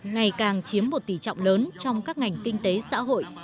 ngày càng chiếm một tỷ trọng lớn trong các ngành kinh tế xã hội